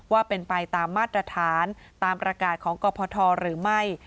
ว่าเป็นไปตามมาตรฐานตามประกาศของกรพทหรือไม่